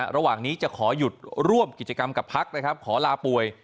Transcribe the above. ระหว่างนี้จะขอหยุดร่วมกิจกรรมกับพักนะครับขอลาป่วย